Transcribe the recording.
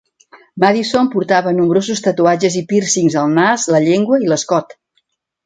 Madison portava nombrosos tatuatges i "piercings" al nas, la llengua i l'escot.